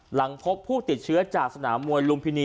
หลังพบผู้ติดเชื้อจากสนามมวยลุมพินี